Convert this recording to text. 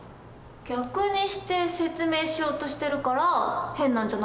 逆にして説明しようとしてるから変なんじゃないの？